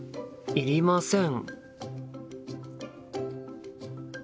いりません。